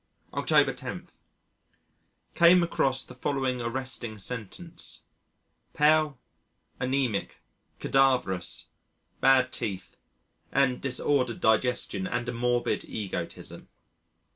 October 10. Came across the following arresting sentence: "Pale, anæmic, cadaverous, bad teeth and disordered digestion and a morbid egotism."